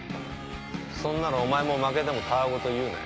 そんならお前も負けてもたわ言言うなよ。